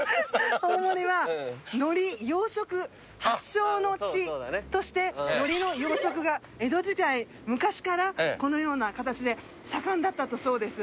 大森はノリ養殖発祥の地としてノリの養殖が江戸時代昔からこのような形で盛んだったそうです。